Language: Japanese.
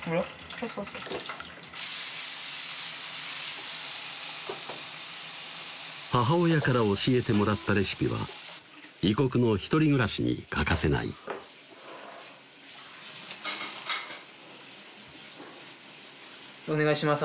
そうそうそうそう母親から教えてもらったレシピは異国の１人暮らしに欠かせないお願いします